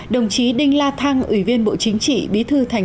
đồng chí đinh la thăng ủy viên bộ chính trị